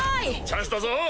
チャンスだぞ。